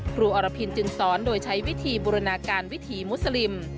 อรพินจึงสอนโดยใช้วิธีบูรณาการวิถีมุสลิม